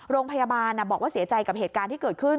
โรงพยาบาลบอกว่าเสียใจกับเหตุการณ์ที่เกิดขึ้น